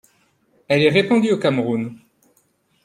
Elle est répandue au Cameroun.